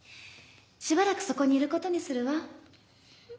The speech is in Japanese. しばらくそこにいることにするわ。